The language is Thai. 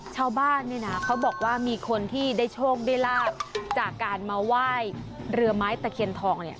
ชาวบ้านเนี่ยนะเขาบอกว่ามีคนที่ได้โชคได้ลาบจากการมาไหว้เรือไม้ตะเคียนทองเนี่ย